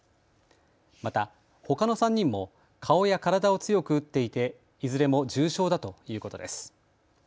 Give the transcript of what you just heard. また、ほかの３人も顔や体を強く打っていていずれも重傷だということです。